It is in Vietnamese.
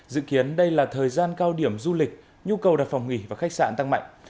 dự kiến đây là thời gian cao điểm du lịch nhu cầu đặt phòng nghỉ và khách sạn tăng mạnh